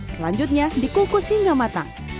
selanjutnya dikukus hingga matang